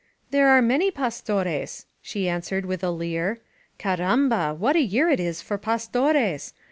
There are many Pastores," she answered with a leer. Carrambal what a year it is for Pastores!